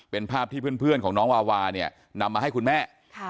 เป็นภาพที่เพื่อนของน้องวาวาเนี่ยนำมาให้คุณแม่